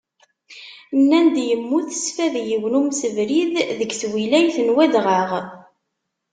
Nnan-d yemmut s fad yiwen umsebrid deg twilayt n Wadɣaɣ.